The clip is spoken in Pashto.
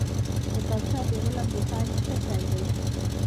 کتابچه د علم د پیل ټکی دی